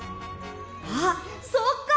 あっそっか！